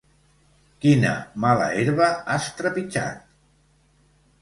Quina mala herba has trepitjat?